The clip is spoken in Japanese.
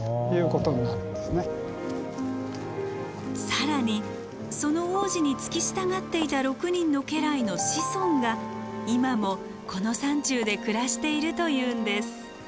更にその皇子に付き従っていた６人の家来の子孫が今もこの山中で暮らしているというんです。